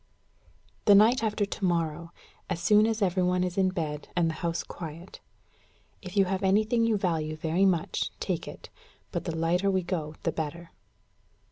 "The night after to morrow, as soon as every one is in bed and the house quiet. If you have anything you value very much, take it; but the lighter we go the better."